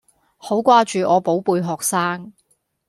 好掛住我寶貝學生